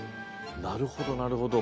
なるほどなるほど。